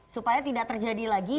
supaya tidak terjadi lagi